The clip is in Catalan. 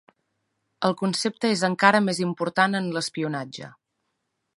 El concepte és encara més important en l'espionatge.